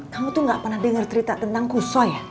kamu tuh gak pernah denger cerita tentang kusoi ya